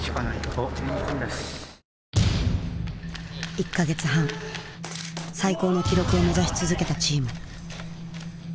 １か月半最高の記録を目指し続けたチーム。